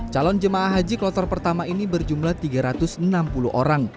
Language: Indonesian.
calon jemaah haji kloter pertama ini berjumlah tiga ratus enam puluh orang